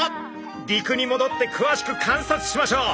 陸にもどってくわしく観察しましょう。